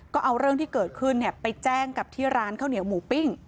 ก็เอาเรื่องที่เกิดขึ้นไปแจ้งกับที่ร้านข้าวเหนียวหมูปิ้ง